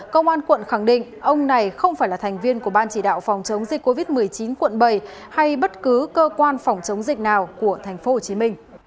công an quận khẳng định ông này không phải là thành viên của ban chỉ đạo phòng chống dịch covid một mươi chín quận bảy hay bất cứ cơ quan phòng chống dịch nào của tp hcm